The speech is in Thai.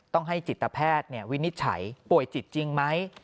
ต้องให้จิตแพทย์วินิจฉัยป่วยจิตจริงไหม